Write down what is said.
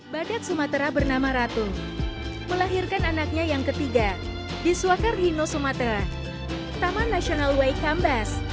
badak sumatera bernama ratu melahirkan anaknya yang ketiga di suakar hino sumatera taman nasional waikambas